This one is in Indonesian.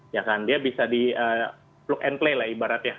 ya kan dia bisa di plug and play lah ibaratnya